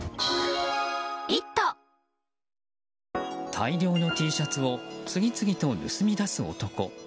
大量のＴシャツを次々とを盗み出す男。